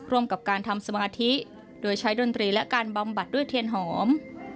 ร่วมกับการทำสมาธิโดยใช้ดนตรีและการบำบัดด้วยเทียนหอม